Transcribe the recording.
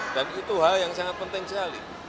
dan itu hal yang sangat penting sekali